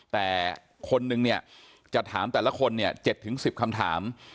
แต่คนนึงเนี่ยจะถามแต่ละคนเนี่ย๗๑๐คำถาม